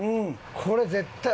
これ絶対。